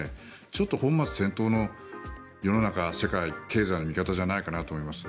ちょっと本末転倒の世の中、世界、経済の見方じゃないかと思います。